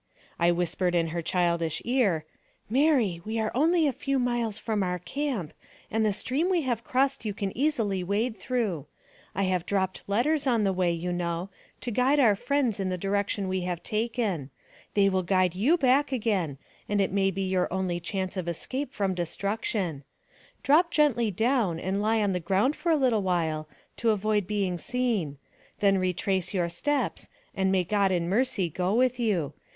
I whispered in her childish ear, " Mary, we are only a few miles from our camp, and the stream we have crossed you can easily wade through. I have dropped letters on the way, you know, to guide our friends in the direction we have taken ; they will guide you back again, and it may be your only chance of escape from 46 NARRATIVE OF CAPTIVITY destruction. Drop gently down, and lie on the ground for a little while, to avoid being seen ; then retrace your steps, and may God in mercy go with you.